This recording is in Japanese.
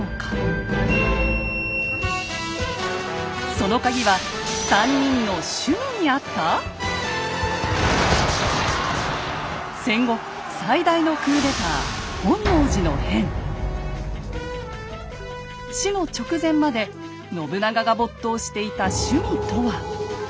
そのカギは３人の「趣味」にあった⁉戦国最大のクーデター死の直前まで信長が没頭していた趣味とは。